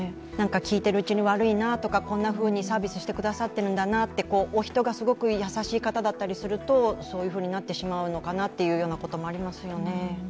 聞いているうちに悪いなとか、こんなふうにサービスしてくださっているんだなとお人がすごく優しい方だったりすると、そうなってしまうのかなと思いますよね。